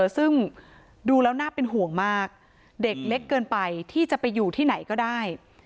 ซึ่งดูแล้วน่าเป็นห่วงมากเด็กเล็กเกินไปที่จะไปอยู่ที่ไหนก็ได้